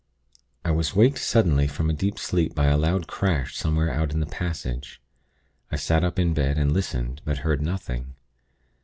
I was waked suddenly from a deep sleep by a loud crash somewhere out in the passage. I sat up in bed, and listened, but heard nothing.